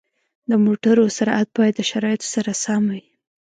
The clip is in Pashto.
د موټرو سرعت باید د شرایطو سره سم وي.